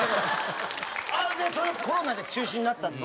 それでコロナで中止になったでしょ。